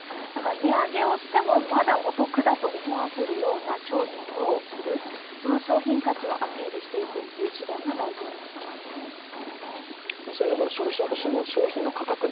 値上げをしてもまだお得だと思わせるような商品を売る、その商品価値をアピールしていく手段が大事じゃないかなと思います。